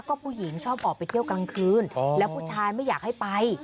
ก็ผู้หญิงชอบออกไปเที่ยวกลางคืนแล้วผู้ชายไม่อยากให้ไป